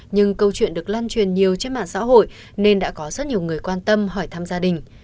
nhưng câu chuyện được lan truyền nhiều trên mạng xã hội nên đã có rất nhiều người quan tâm hỏi thăm gia đình